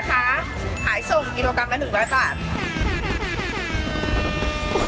ขายส่งกิโลกรัมละ๑๐๐บาท